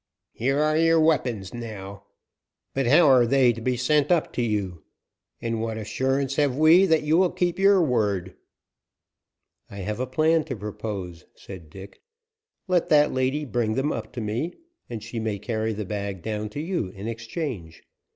"Here are your weapons, now, but how are they to be sent up to you? And what assurance have we that you will keep your word?" "I have a plan to propose," said Dick. "Let that lady bring them up to me, and she may carry the bag down to you in exchange.